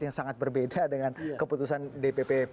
yang sangat berbeda dengan keputusan dpp p tiga